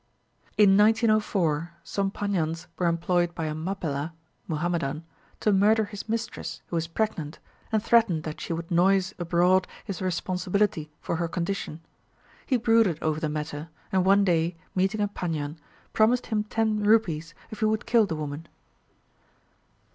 In 1904, some Paniyans were employed by a Mappilla (Muhammadan) to murder his mistress, who was pregnant, and threatened that she would noise abroad his responsibility for her condition. He brooded over the matter, and one day, meeting a Paniyan, promised him ten rupees if he would kill the woman.